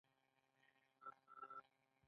هغه د کار وخت څلور ساعته نور هم زیاتوي